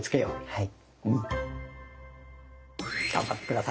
はい。